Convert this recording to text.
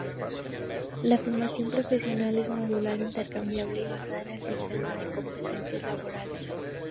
La formación profesional es modular, intercambiable y basada en el sistema de competencias laborales.